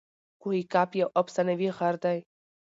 کوه قاف یو افسانوي غر دئ.